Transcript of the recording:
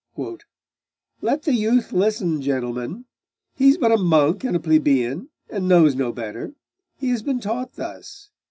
'Let the youth listen, gentlemen. He is but a monk and a plebeian, and knows no better; he has been taught thus.